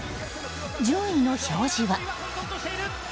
順位の表示は。